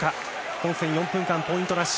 本戦４分間ポイントなし。